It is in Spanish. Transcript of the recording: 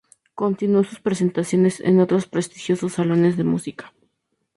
Continuó sus presentaciones en otros prestigiosos salones de música.